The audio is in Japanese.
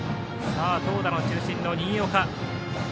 投打の中心の新岡。